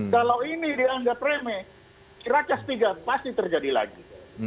kalau ini dianggap remeh racas tiga pasti terjadi lagi